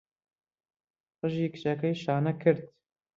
قژی کچەکەی شانە کرد.